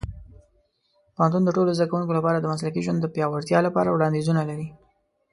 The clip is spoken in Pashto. پوهنتون د ټولو زده کوونکو لپاره د مسلکي ژوند د پیاوړتیا لپاره وړاندیزونه لري.